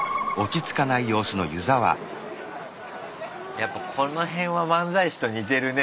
やっぱこの辺は漫才師と似てるね